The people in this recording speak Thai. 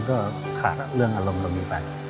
มันก็ขาดเรื่องอารมณ์ลงไป